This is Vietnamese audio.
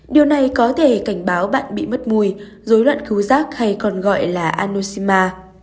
điều này có thể cảnh báo bạn bị mất mùi dối loạn khứ giác hay còn gọi là anosema